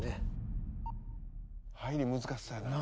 入り難しそうやな。